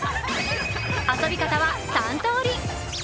遊び方は３通り。